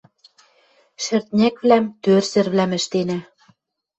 Шӹртньӹквлӓм, тӧрсӹрвлӓм ӹштенӓ.